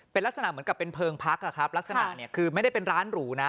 เป็นลักษณะเหมือนกับเป็นเพลิงพักลักษณะเนี่ยคือไม่ได้เป็นร้านหรูนะ